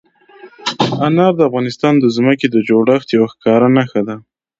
انار د افغانستان د ځمکې د جوړښت یوه ښکاره نښه ده.